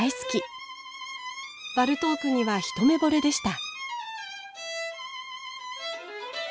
バルトークには一目ぼれでした。